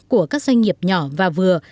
của các doanh nghiệp nhỏ và vừa